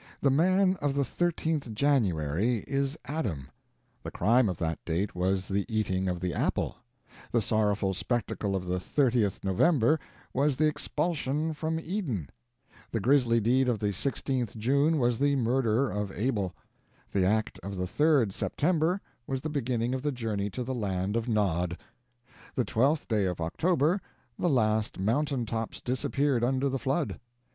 The man of the 13th January is Adam; the crime of that date was the eating of the apple; the sorrowful spectacle of the 30th November was the expulsion from Eden; the grisly deed of the 16th June was the murder of Abel; the act of the 3d September was the beginning of the journey to the land of Nod; the 12th day of October, the last mountain tops disappeared under the flood.